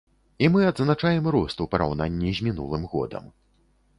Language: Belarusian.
І мы адзначаем рост у параўнанні з мінулым годам.